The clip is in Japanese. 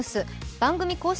番組公式